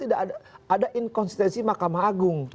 ada inkonsistensi makamu agung